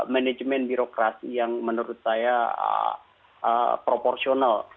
manajemen birokrasi yang menurut saya proporsional